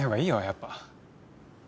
やっぱ。